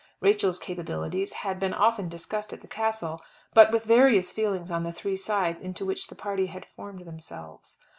Rachel's capabilities had been often discussed at the Castle, but with various feelings on the three sides into which the party had formed themselves.